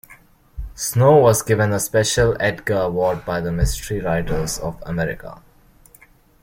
Snow was given a Special Edgar Award by the Mystery Writers of America.